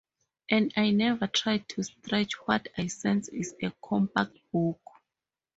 And I never try to stretch what I sense is a compact book.